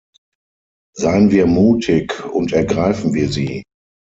Seien wir mutig, und ergreifen wir sie.